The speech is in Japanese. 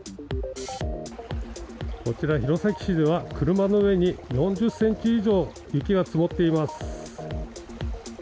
こちら、弘前市では車の上に４０センチ以上雪が積もっています。